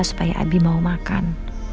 supaya abi mau makan